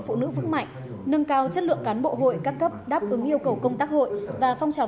phụ nữ vững mạnh nâng cao chất lượng cán bộ hội các cấp đáp ứng yêu cầu công tác hội và phong trào